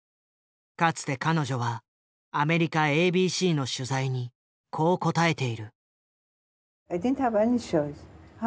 かつて彼女はアメリカ・ＡＢＣの取材にこう答えている。